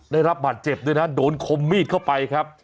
ได้รับบาดเจ็บด้วยนะโดนคมมีดเข้าไปครับ